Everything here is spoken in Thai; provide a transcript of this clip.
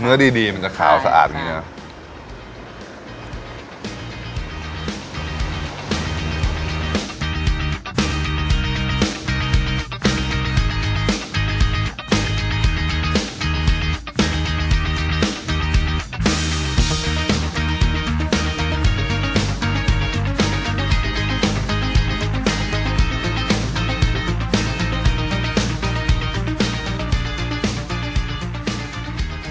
เนื้อดีมันจะขาวสะอาดอย่างนี้เนอะ